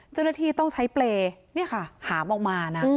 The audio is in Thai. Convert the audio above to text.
เจ้าหน้าที่ต้องใช้เปรย์นี่ค่ะหามออกมานะ